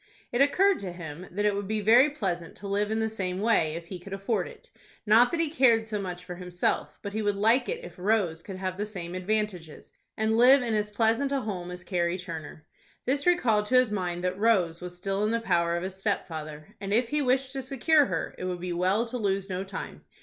It occurred to him that it would be very pleasant to live in the same way if he could afford it; not that he cared so much for himself, but he would like it if Rose could have the same advantages, and live in as pleasant a home as Carrie Turner. This recalled to his mind that Rose was still in the power of his stepfather, and if he wished to secure her it would be well to lose no time.